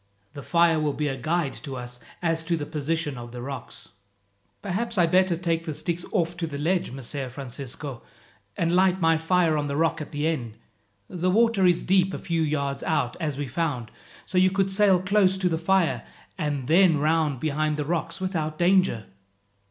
The fire will be a guide to us as to the position of the rocks." "Perhaps I had better take the sticks off to the ledge, Messer Francisco, and light my fire on the rock at the end. The water is deep a few yards out, as we found, so you could sail close to the fire and then round behind the rocks without danger."